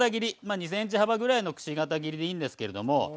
２ｃｍ幅ぐらいのくし形切りでいいんですけれども。